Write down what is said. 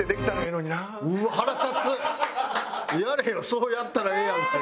そうやったらええやんけ！